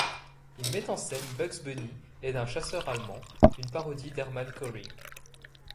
Il met en scène Bugs Bunny et un chasseur allemand, une parodie d'Hermann Göring.